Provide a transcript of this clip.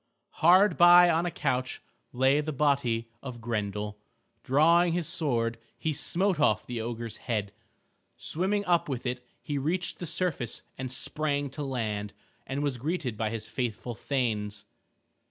Hard by on a couch lay the body of Grendel. Drawing his sword he smote off the ogre's head. Swimming up with it he reached the surface and sprang to land, and was greeted by his faithful thanes.